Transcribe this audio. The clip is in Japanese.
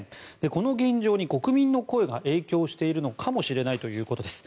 この現状に国民の声が影響しているのかもしれないということです。